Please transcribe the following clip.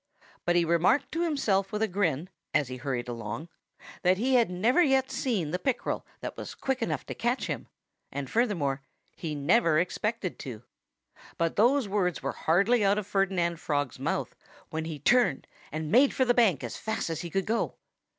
But he remarked to himself with a grin, as he hurried along, that he had never yet seen the pickerel that was quick enough to catch him, and furthermore, he never expected to. But those words were hardly out of Ferdinand Frog's mouth when he turned and made for the bank as fast as he could go.